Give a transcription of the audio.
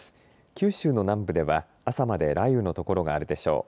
九州の南部では朝まで雷雨の所があるでしょう。